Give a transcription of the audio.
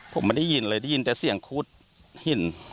ผมไม่ได้ยินเลยได้ยินแต่เสียงคุดหิน